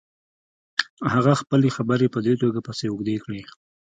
هغه خپلې خبرې په دې توګه پسې اوږدې کړې.